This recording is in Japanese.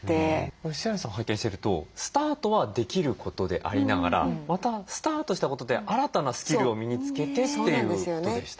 須鑓さん拝見しているとスタートはできることでありながらまたスタートしたことで新たなスキルを身につけてということでしたよね。